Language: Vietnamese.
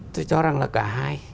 tôi cho rằng là cả hai